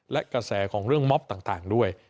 และกระแสของเรื่องม็อบต่างด้วย